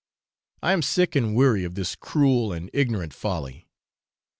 I am sick and weary of this cruel and ignorant folly.